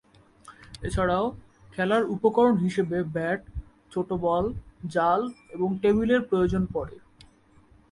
এছাড়াও, খেলার উপকরণ হিসেবে ব্যাট, ছোট বল, জাল এবং টেবিলের প্রয়োজন পড়ে।